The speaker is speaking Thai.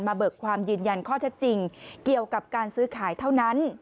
เบิกความยืนยันข้อเท็จจริงเกี่ยวกับการซื้อขายเท่านั้น